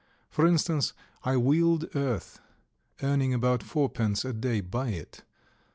For instance, I wheeled earth, earning about fourpence a day by it.